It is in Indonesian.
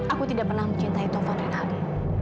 aku tidak pernah mencintai tuan fadrin ali